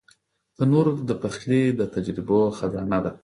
تنور د پخلي د تجربو خزانه ده